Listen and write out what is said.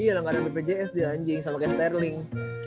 iya langgan bpjs dia anjing sama kaya sterling